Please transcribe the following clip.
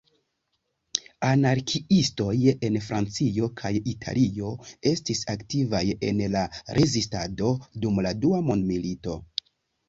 Anarkiistoj en Francio kaj Italio estis aktivaj en la Rezistado dum la Dua Mondmilito.